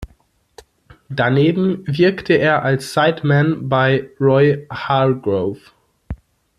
Daneben wirkte er als Sideman bei Roy Hargrove.